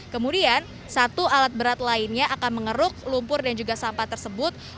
kemudian satu alat berat lainnya akan mengeruk lumpur dan juga sampah tersebut